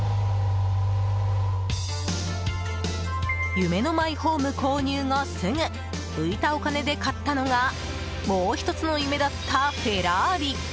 夢のマイホーム購入後すぐ浮いたお金で買ったのがもう１つの夢だったフェラーリ！